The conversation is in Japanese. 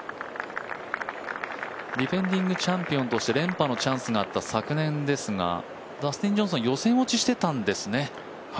ディフェンディングチャンピオンとして連覇のチャンスがあった昨年ダスティン・ジョンソン、予選落ちしていたんですね。